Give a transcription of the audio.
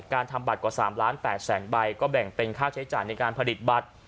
ทำบัตรกว่า๓ล้าน๘แสนใบก็แบ่งเป็นค่าใช้จ่ายในการผลิตบัตร